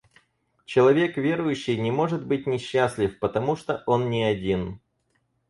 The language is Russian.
Человек верующий не может быть несчастлив, потому что он не один.